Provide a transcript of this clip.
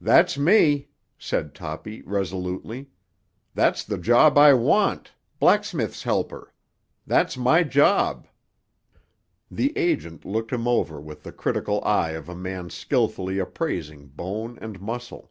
"That's me," said Toppy resolutely. "That's the job I want—blacksmith's helper. That's my job." The agent looked him over with the critical eye of a man skilfully appraising bone and muscle.